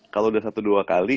kalau udah satu dua kali